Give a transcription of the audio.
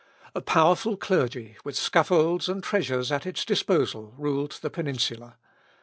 A powerful clergy, with scaffolds and treasures at its disposal, ruled the Peninsula.